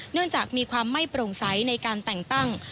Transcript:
เนื่องจากมีความไม่โปร่งใสในการแต่งตั้ง